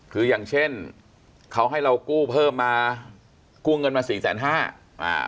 คืออย่างเช่นเขาให้เรากู้เพิ่มมากู้เงินมา๔๕๐๐๐๐๐บาท